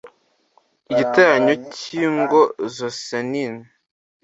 igiteranyo cy ingo zosenin